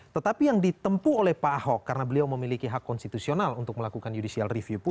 tetapi yang ditempu oleh pak ahok karena beliau memiliki hak konstitusional untuk melakukan judicial review pun